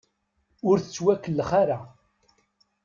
Ur tettwekellex ara.